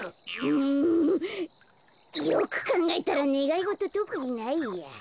よくかんがえたらねがいごととくにないや。